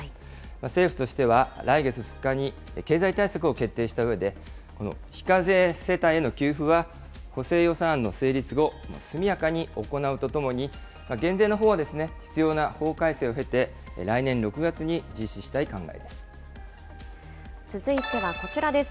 政府としては、来月２日に経済対策を決定したうえで、この非課税世帯への給付は補正予算案の成立後、速やかに行うとともに、減税のほうは必要な法改正を経て、続いてはこちらです。